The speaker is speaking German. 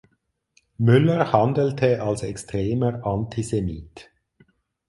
Müller handelte als extremer Antisemit.